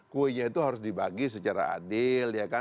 kuenya itu harus dibagi secara adil